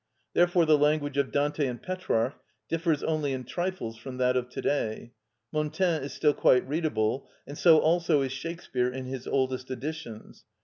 Therefore the language of Dante and Petrarch differs only in trifles from that of to day; Montaigne is still quite readable, and so also is Shakspeare in his oldest editions.